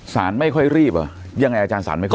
ไม่ค่อยรีบเหรอยังไงอาจารย์สารไม่ค่อย